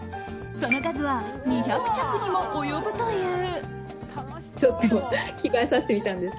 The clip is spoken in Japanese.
その数は２００着にも及ぶという。